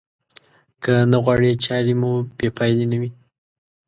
که نه غواړئ چارې مو بې پايلې نه وي.